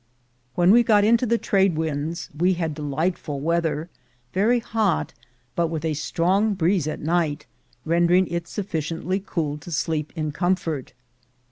When we got into the trade winds we had delight ful weather, very hot, but with a strong breeze at night, rendering it sufficiently cool to sleep in com fort.